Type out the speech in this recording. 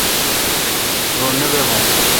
رو نہ بابھو۔